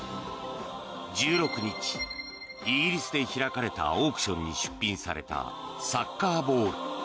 １６日、イギリスで開かれたオークションに出品されたサッカーボール。